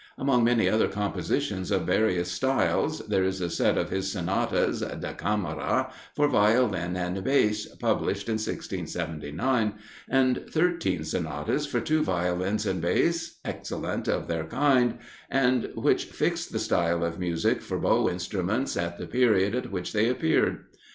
Among many other compositions of various styles, there is a set of his sonatas "da camera" for Violin and Bass, published in 1679, and thirteen sonatas for two Violins and Bass, excellent of their kind, and which fixed the style of music for bow instruments at the period at which they appeared.